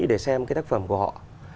để xem cái tác phẩm của họ